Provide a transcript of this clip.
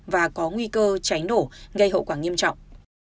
và có nguy cơ cháy nổ gây hậu quả nghiêm trọng